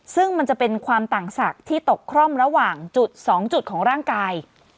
ซึ่งมันจะเป็นความต่างศักดิ์ที่ตกคร่อมระหว่างจุด๒จุดของร่างกาย